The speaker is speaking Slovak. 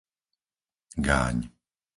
Gáň